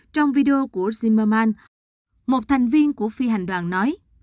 trong video của zimerman một thành viên của phi hành đoàn nói